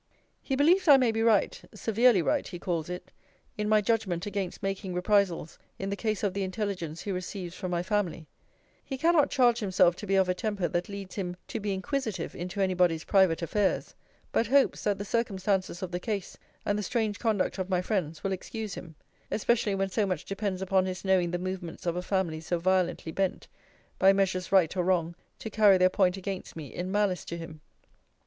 'He believes I may be right (severely right, he calls it) in my judgment against making reprisals in the case of the intelligence he receives from my family: he cannot charge himself to be of a temper that leads him to be inquisitive into any body's private affairs; but hopes, that the circumstances of the case, and the strange conduct of my friends, will excuse him; especially when so much depends upon his knowing the movements of a family so violently bent, by measures right or wrong, to carry their point against me, in malice to him.